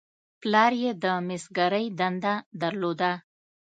پلار یې د مسګرۍ دنده درلوده.